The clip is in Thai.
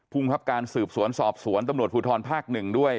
ผู้บังคับการสืบสวนสอบสวนตำรวจภูทรภาคหนึ่งด้วย